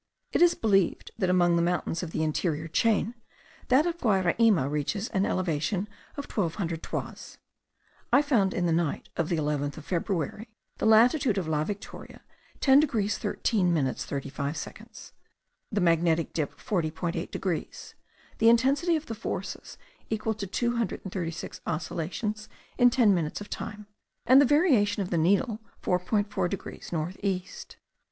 It is believed that among the mountains of the interior chain, that of Guayraima reaches an elevation of twelve hundred toises. I found in the night of the eleventh of February the latitude of La Victoria 10 degrees 13 minutes 35 seconds, the magnetic dip 40.8 degrees, the intensity of the forces equal to 236 oscillations in ten minutes of time, and the variation of the needle 4.4 degrees north east.